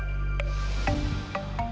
sejak tahun seribu sembilan ratus delapan puluh